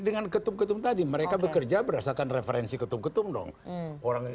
dengan ketum ketum tadi mereka bekerja berdasarkan referensi ketum ketum dong